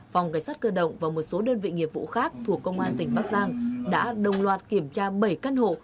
phòng cảnh sát cơ động và một số đơn vị nghiệp vụ khác thuộc công an tỉnh bắc giang đã đồng loạt kiểm tra bảy căn hộ